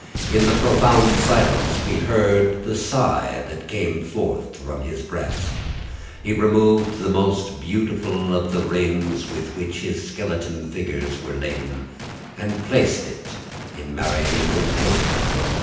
In the profound silence we heard the sigh that came forth form his breast; he removed the most beautiful of the rings with which his skeleton fingers were laden, and placed it in Marianina's bosom.